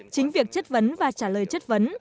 chính việc chất vấn và trả lời chất vấn